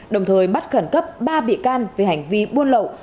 đồng thời bắt khẩn cấp ba bị can về hành vi buôn lậu